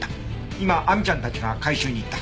今亜美ちゃんたちが回収に行った。